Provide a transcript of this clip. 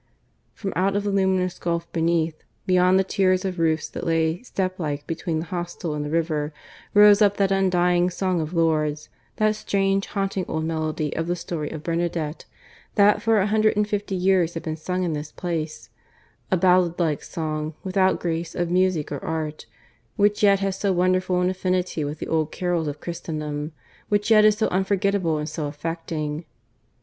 From out of the luminous gulf beneath, beyond the tiers of roofs that lay, step like, between this hostel and the river, rose up that undying song of Lourdes that strange, haunting old melody of the story of Bernadette, that for a hundred and fifty years had been sung in this place a ballad like song, without grace of music or art, which yet has so wonderful an affinity with the old carols of Christendom, which yet is so unforgettable and so affecting.